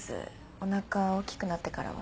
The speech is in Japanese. おなか大きくなってからは。